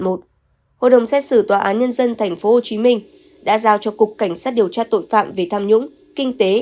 hội đồng xét xử tòa án nhân dân tp hcm đã giao cho cục cảnh sát điều tra tội phạm về tham nhũng kinh tế